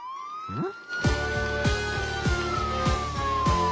うん。